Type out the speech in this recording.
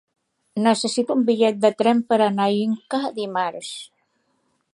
Necessito un bitllet de tren per anar a Inca dimarts.